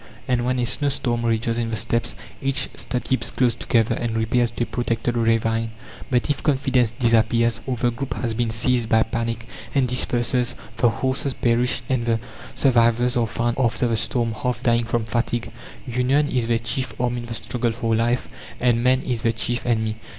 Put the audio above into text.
And when a snow storm rages in the Steppes, each stud keeps close together, and repairs to a protected ravine. But if confidence disappears, or the group has been seized by panic, and disperses, the horses perish and the survivors are found after the storm half dying from fatigue. Union is their chief arm in the struggle for life, and man is their chief enemy.